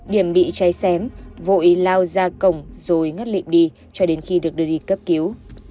điểm bị cháy xém vội lao ra cổng rồi ngất lịm đi cho đến khi được đưa đi cấp cứu